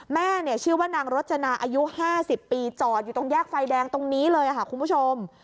แม่ชื่อว่านางรจนาอายุ๕๐ปีจอดอยู่ตรงแยกไฟแดงตรงนี้เลยค่ะคุณผู้ชม